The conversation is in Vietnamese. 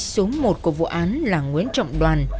số một của vụ án là nguyễn trọng đoàn